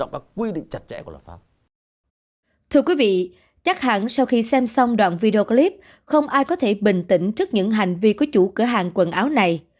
vậy chắc hẳn sau khi xem xong đoạn video clip không ai có thể bình tĩnh trước những hành vi của chủ cửa hàng quần áo này